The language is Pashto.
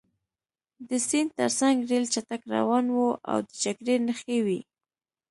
د سیند ترڅنګ ریل چټک روان و او د جګړې نښې وې